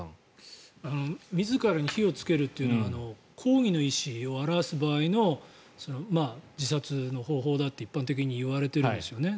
自らに火をつけるという抗議の意思を表す場合の自殺の方法だって一般的に言われているんですね。